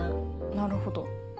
なるほど。